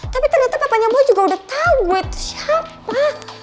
tapi ternyata papanya boy juga udah tahu gue itu siapa